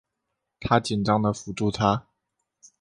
她紧张的扶住她